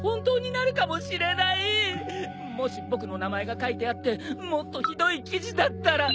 もし僕の名前が書いてあってもっとひどい記事だったら。